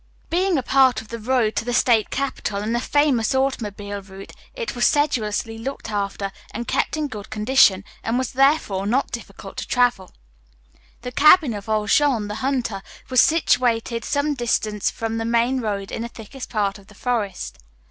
Being a part of the road to the state capital and a famous automobile route it was sedulously looked after and kept in good condition, and was therefore not difficult to travel. The cabin of old Jean, the hunter, was situated some distance from the main road in the thickest part of the forest.